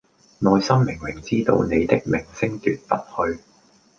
內心明明知道你的明星奪不去